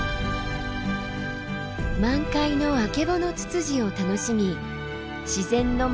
満開のアケボノツツジを楽しみ自然のままの森を巡り